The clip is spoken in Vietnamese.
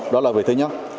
đó là việc thứ nhất